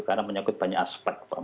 karena menyakit banyak aspek